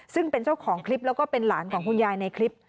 ซึ่งเป็นเจ้าของคลิปแล้วก็เป็นหลานของคุณยายในคลิป